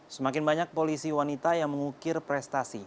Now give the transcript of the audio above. semakin banyak polisi wanita yang mengukir prestasi